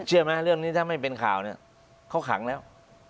เชื่อไหมเรื่องนี้ถ้าไม่เป็นข่าวเนี่ยเขาขังแล้ว